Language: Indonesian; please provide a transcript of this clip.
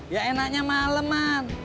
ya enaknya malem man